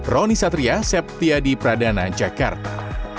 roni satria septia di pradana jakarta